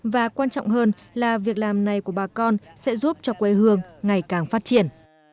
và quan trọng hơn là việc làm này của bà con sẽ giúp cho quê hương ngày càng phát triển